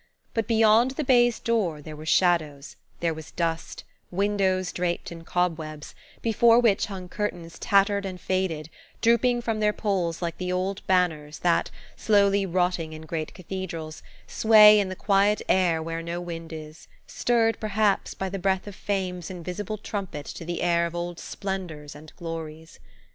But beyond the baize door there were shadows, there was dust, windows draped in cobwebs, before which hung curtains tattered and faded, drooping from their poles like the old banners that, slowly rotting in great cathedrals, sway in the quiet air where no wind is–stirred, perhaps, by the breath of Fame's invisible trumpet to the air of old splendours and glories.